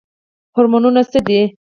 هورمونونه څه دي؟